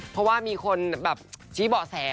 เพราะว่ามีคนแบบชี้เบาะแส